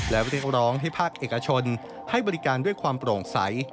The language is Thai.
และเรียกร้องให้ภาคเอกชนให้บริการด้วยความโปร่งใส